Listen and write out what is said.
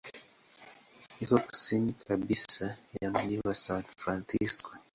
Iko kusini kabisa ya mji wa San Francisco.